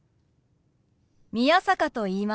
宮坂と言います。